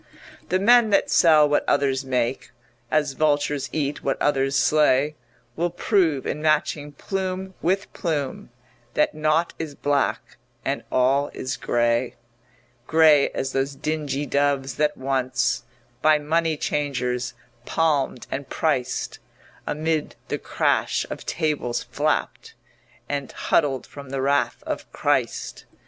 The men that sell what others make, As vultures eat what others slay, Will prove in matching plume with plume That naught is black and all is grey; Grey as those dingy doves that once, By money changers palmed and priced, Amid the crash of tables flapped And huddled from the wrath of Christ.